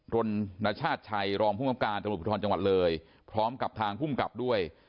รมณชาติชัยรองผู้กำกาลประกอบประทรศนระภูมิคนจังหวัดเลยพร้อมกับทางผู้มกับด้วย